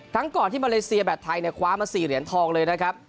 ครั้งก่อนที่มาเลเซียแบตไทยคว้ามา๔เหรียญทองเลยนะครับ